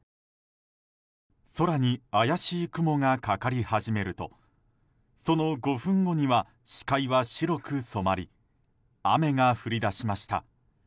空に怪しい雲がかかり始めるとその５分後には視界は白く染まり雨が降り出しました。